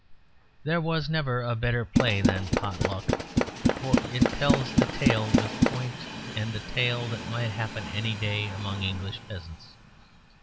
There was never a better play than POT LUCK; for it tells a tale with a point and a tale that might happen any day among English peasants.